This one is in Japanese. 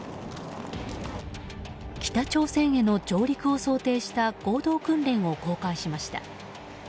北朝鮮への上陸を想定した合同訓練を公開しました。